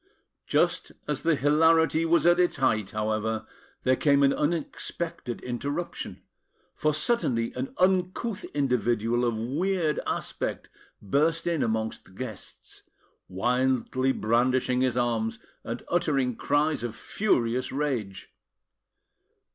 Just as the hilarity was at its height, however, there came an unexpected interruption; for suddenly an uncouth individual of weird aspect burst in amongst the guests, wildly brandishing his arms, and uttering cries of furious rage.